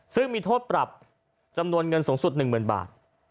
ซึ่งมีโทษปรับจำนวนเงินสูงสุด๑๐๐๐บาท